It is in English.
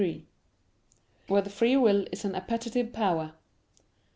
3] Whether Free will Is an Appetitive Power?